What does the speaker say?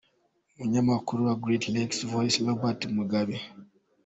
Umunyamakuru wa Great Lakes Voice, Robert Mugabe